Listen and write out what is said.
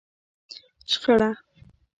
شخړه